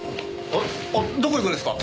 あっどこ行くんですか？